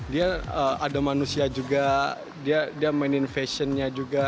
dia ada manusia juga dia mainin fashion nya juga